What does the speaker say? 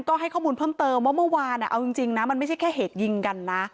ก็ให้ข้อมูลเพิ่มเติมว่าเมื่อวานเอาจริงนะมันไม่ใช่แค่เหตุยิงกันนะ